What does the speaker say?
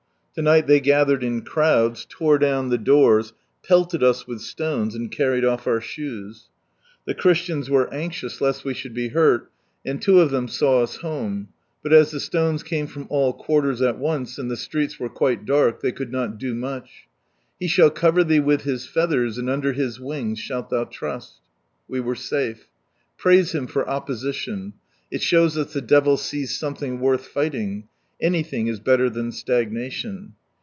To night they gathered in crowds, tore down the doors, pelted us with stones, and carried off our shoes. The Christians were anxious lest we should be hurt, and two of them saw us home, but as the stones came from all quarters at once, and the streets were quite dark, they could not do much, " He shall cover ihee with His feathers, and under His wings shale thou trust !" We were safe. Praise Him for opposition. It shows us the devil sees something worth fighting; anything is better than stagnation.